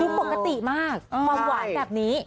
คือปกติมากความหวานแบบนี้